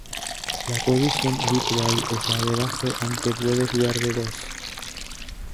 Su posición habitual es la de base aunque puede jugar de dos.